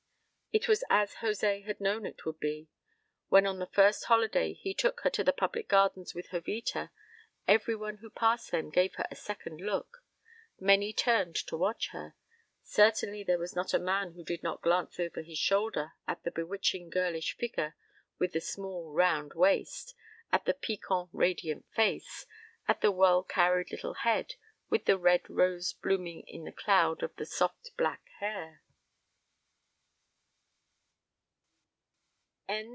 It was as José had known it would be. When on the first holiday be took her to the public gardens with Jovita, every one who passed them gave her a second look; many turned to watch her; certainly there was not a man who did not glance over his shoulder at the bewitching girlish figure with the small round waist, at the piquant radiant face, at the well carried little head with the red rose blooming in its cloud of soft black hair.